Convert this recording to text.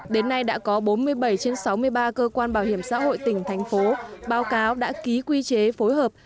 đến nay đã có bốn mươi bảy trên sáu mươi ba cơ quan bảo hiểm xã hội tỉnh thành phố báo cáo đã ký quy chế phối hợp